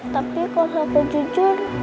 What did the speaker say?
tapi kalau saya tak jujur